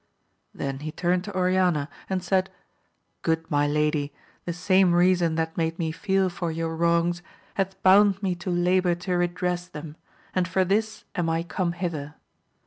Then he turned to Oriana and said. Good my lady, the same reason that made me feel for your wrongs, hath bound me to labour to redress them, and for this am I comi^ hither.